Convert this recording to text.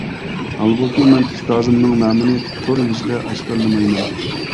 ھالبۇكى مەن ئۇستازىمنىڭ نامىنى تور يۈزىدە ئاشكارىلىمايمەن.